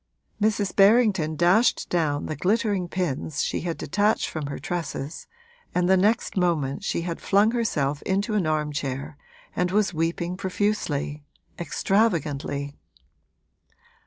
Mrs. Berrington dashed down the glittering pins she had detached from her tresses, and the next moment she had flung herself into an armchair and was weeping profusely, extravagantly.